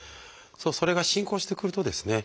それが進行してくるとですね